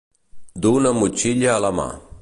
Du una motxilla a la mà.